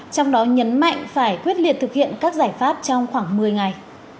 trong đó nhấn mạnh phải quyết liệt thực hiện các giải pháp trong khoảng một mươi ngày